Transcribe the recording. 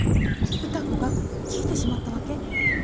歌子が聞いてしまったわけ。